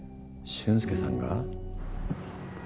・俊介さん。